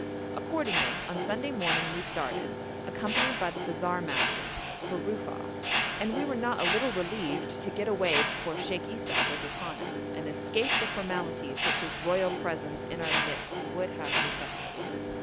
Accordingly, on Sunday morning we started, accompanied by the bazaar master, for Rufa'a, and we were not a little relieved to get away before Sheikh Esau was upon us, and escape the formalities which his royal presence in our midst would have necessitated.